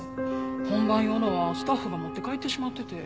本番用のはスタッフが持って帰ってしまってて。